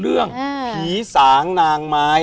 เรื่องผีสางนางไม้